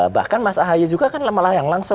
bahkan mas ahaya juga kan malah yang langsung